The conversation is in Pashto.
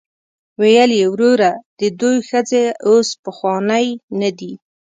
ویل یې وروره د دوی ښځې اوس پخوانۍ نه دي.